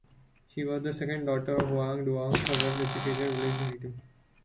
She was the second daughter of Hoang Duong, a well-educated village native.